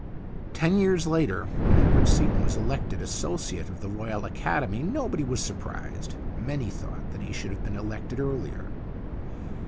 Ten years later, when Edward Seaton was elected Associate of the Royal Academy, nobody was surprised. Many thought that he should have been elected earlier.